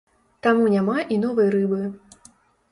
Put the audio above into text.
Таму няма і новай рыбы.